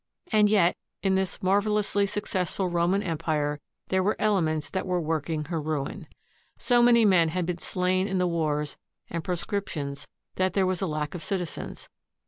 And yet, in this marvelously successful Roman Empire there were elements that were' working her ruin. So many men had been slain in the wars and proscriptions that there was a lack of citizens.